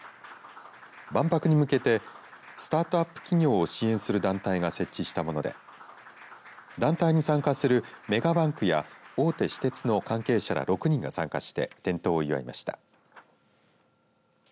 万博に向けてスタートアップ企業を支援する団体が設置したもので団体に参加するメガバンクや大手私鉄の関係者ら６人が参加して点灯を祝いました。